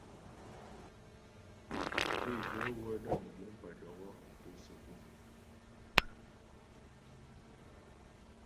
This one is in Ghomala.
Teguə wə́ dəm guŋ pə́ dɔkɔ́ kɔ səku.